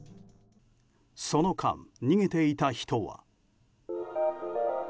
その間、逃げていた人は。